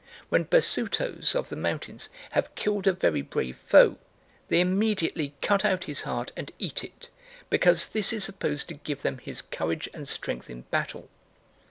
When Basutos of the mountains have killed a very brave foe, they immediately cut out his heart and eat it, because this is supposed to give them his courage and strength in battle.